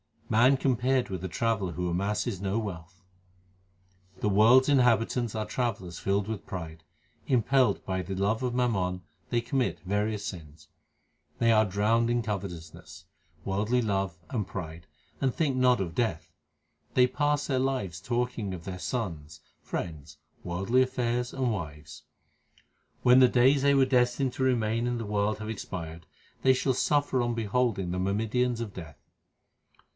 Man compared with a traveller who amasses no wealth : The world s inhabitants are travellers filled with pride ; Impelled by the love of mammon they commit various sins ; They are drowned in covetousness, worldly love, and pride, and think not of death ; They pass their lives talking of their sons, friends, worldly affairs, and wives. When the days they were destined to remain in the world have expired, they shall suffer on beholding the myrmidons of Death.